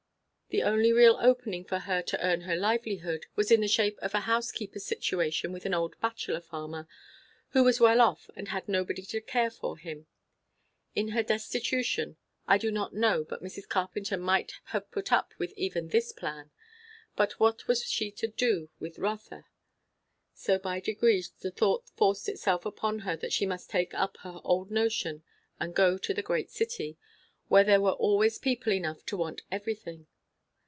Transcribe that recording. The only real opening for her to earn her livelihood, was in the shape of a housekeeper's situation with an old bachelor farmer, who was well off and had nobody to take care of him. In her destitution, I do not know but Mrs. Carpenter might have put up with even this plan; but what was she to do with Rotha? So by degrees the thought forced itself upon her that she must take up her old notion and go to the great city, where there were always people enough to want everything.